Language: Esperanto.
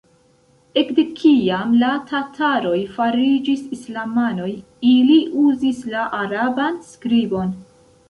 Ekde kiam la tataroj fariĝis islamanoj ili uzis la araban skribon.